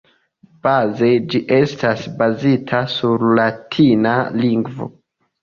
Baze ĝi estas bazita sur latina lingvo.